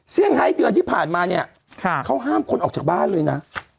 ให้เดือนที่ผ่านมาเนี่ยเขาห้ามคนออกจากบ้านเลยนะ